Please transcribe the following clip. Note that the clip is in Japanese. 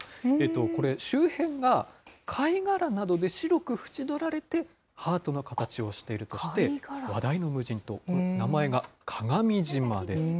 これ、周辺が貝殻などで白く縁取られて、ハートの形をしているとして、話題の無人島、名前が鏡島です。